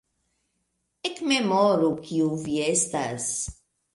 ekmemoru, kiu vi estas!